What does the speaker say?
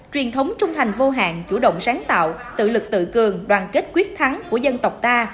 truyền thống trung thành vô hạn chủ động sáng tạo tự lực tự cường đoàn kết quyết thắng của dân tộc ta